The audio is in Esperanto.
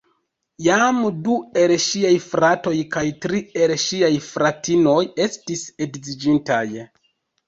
Jam du el ŝiaj fratoj kaj tri el ŝiaj fratinoj estis edziĝintaj.